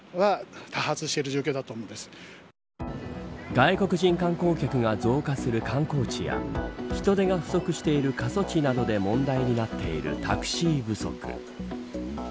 外国人観光客が増加する観光地や人手が不足している過疎地などで問題になっているタクシー不足。